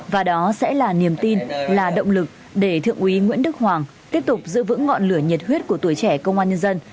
và đó sẽ là niềm tin là động lực để thượng úy nguyễn đức hoàng tiếp tục giữ vững ngọn lửa nhiệt huyết của tuổi trẻ công an nhân dân